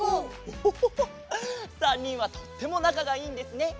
オホホ３にんはとってもなかがいいんですね！